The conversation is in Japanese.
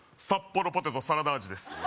サッポロポテトサラダ味です